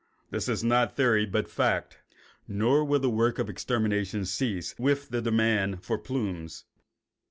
This is not theory but fact. Nor will the work of extermination cease with the demand for plumes.